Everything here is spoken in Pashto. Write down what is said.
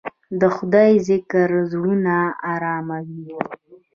د خدای ذکر زړونه اراموي.